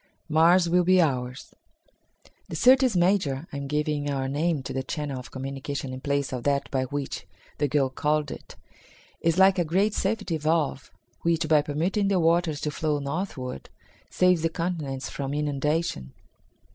Mars Will Be Ours. "The Syrtis Major (I am giving our name to the channel of communication in place of that by which the girl called it) is like a great safety valve, which, by permitting the waters to flow northward, saves the continents from inundation."